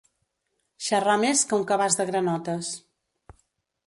Xarrar més que un cabàs de granotes.